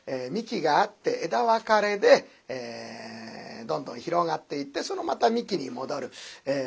幹があって枝分かれでどんどん広がっていってそのまた幹に戻る。